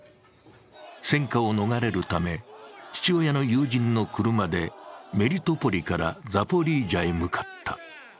戦火を逃れるため父親の友人の車でメリトポリからザポリージャへ向かった。